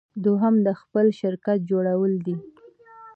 دوهم د خپل شرکت جوړول دي.